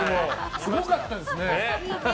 すごかったですね。